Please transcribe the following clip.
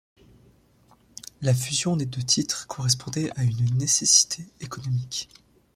La fusion des deux titres correspondait à une nécessité économique.